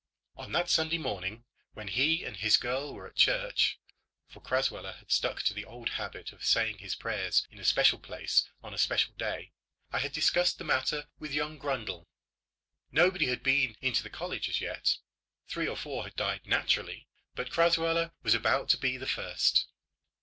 On that Sunday morning when he and his girl were at church, for Crasweller had stuck to the old habit of saying his prayers in a special place on a special day, I had discussed the matter with young Grundle. Nobody had been into the college as yet. Three or four had died naturally, but Crasweller was about to be the first.